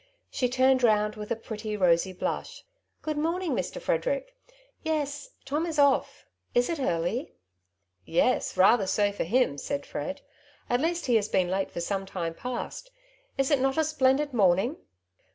She turned round with a pretty rosy blush. '^ Good morning, Mr. Frederick. Yes, Tom is off; is it early ?^'" Yes, rather so for him,^^ said Fred. " At least he has been late for some time past. Is it not a splendid morning